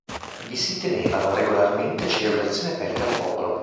Vi si tenevano regolarmente celebrazioni aperte al popolo.